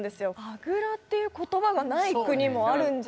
「あぐら」っていう言葉がない国もあるんじゃないですか？